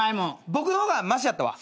僕の方がましやったわ。